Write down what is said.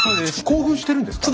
興奮してるんですか？